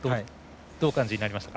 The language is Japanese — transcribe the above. どうお感じになりましたか？